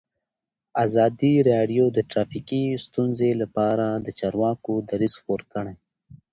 ازادي راډیو د ټرافیکي ستونزې لپاره د چارواکو دریځ خپور کړی.